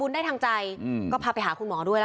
คุณสังเงียมต้องตายแล้วคุณสังเงียม